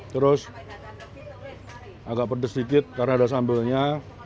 terus agak pedes sedikit karena ada sambalnya